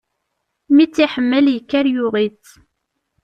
Mi i tt-iḥemmel, yekker yuɣ-itt.